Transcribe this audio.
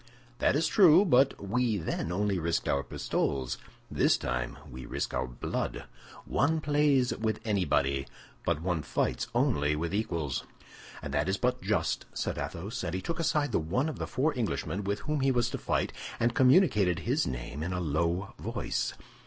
"That is true, but we then only risked our pistoles; this time we risk our blood. One plays with anybody; but one fights only with equals." "And that is but just," said Athos, and he took aside the one of the four Englishmen with whom he was to fight, and communicated his name in a low voice.